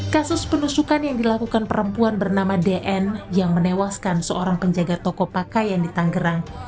kasus penusukan yang dilakukan perempuan bernama d n yang menewaskan seorang penjaga toko pakai yang ditangerang